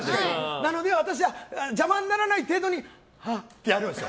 なので私は邪魔にならない程度にはあってやるんですよ。